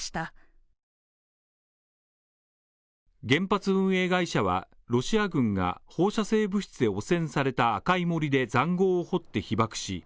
原発運営会社はロシア軍が放射性物質で汚染された赤い森で塹壕を掘って被ばくし